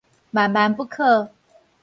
萬萬不可